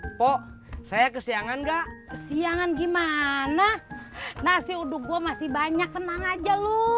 hai po saya kesiangan gak siangan gimana nasi uduk gua masih banyak tenang aja lu